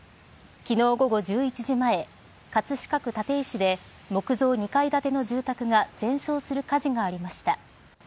昨日午後１１時前葛飾区立石で木造２階建ての住宅が全焼する火事がありました。